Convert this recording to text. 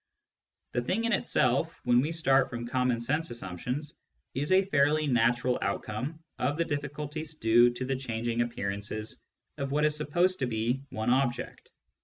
The thing in itself, when we start from common sense assumptions, is a fairly natural outcome of the difficulties due to the changing appearances of what is supposed to be one object.